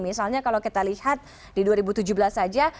misalnya kalau kita lihat di dua ribu tujuh belas saja